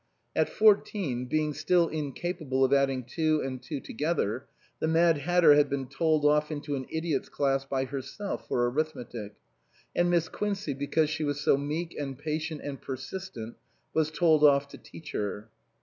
At fourteen, being still incapable of adding two and two together, the Mad Hatter had been told off into an idiot's class by herself for arithmetic ; and Miss Quincey, because she was so meek and patient and persistent, was told off to teach her.